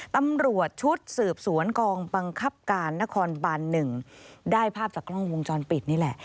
ตำรวจชุดสืบสวนกองบังคับการนครบาน๑ได้ภาพจากกล้องวงจรปิดนี่แหละ